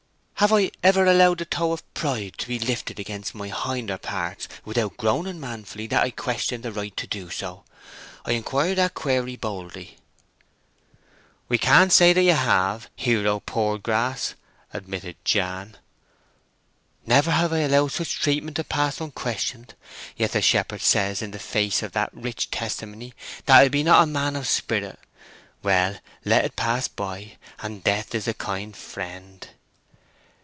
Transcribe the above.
Have I ever allowed the toe of pride to be lifted against my hinder parts without groaning manfully that I question the right to do so? I inquire that query boldly?" "We can't say that you have, Hero Poorgrass," admitted Jan. "Never have I allowed such treatment to pass unquestioned! Yet the shepherd says in the face of that rich testimony that I be not a man of spirit! Well, let it pass by, and death is a kind friend!"